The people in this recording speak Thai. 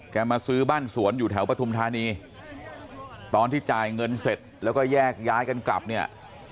มาซื้อบ้านสวนอยู่แถวปฐุมธานีตอนที่จ่ายเงินเสร็จแล้วก็แยกย้ายกันกลับเนี่ย